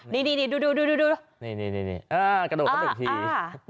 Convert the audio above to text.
นี่นี่นี่ดูดูดูดูนี่นี่นี่อ่ากระโดดเขาหนึ่งทีอ่าอ่า